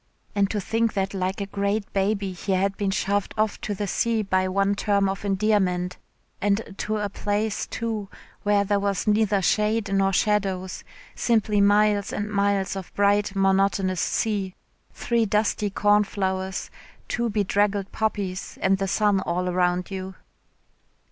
And to think that like a great gaby he had been shoved off to the sea by one term of endearment, and to a place, too, where there was neither shade nor shadows, simply miles and miles of bright monotonous sea, three dusty cornflowers, two bedraggled poppies and the sun all around you.